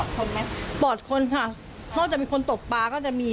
ภาคกลางคืนนี่ก็จะปอดคนไหมปอดคนค่ะเพราะจะมีคนตบปาก็จะมี